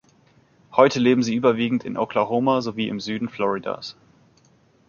Heute leben sie überwiegend in Oklahoma sowie im Süden Floridas.